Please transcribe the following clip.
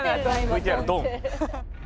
ＶＴＲドン！。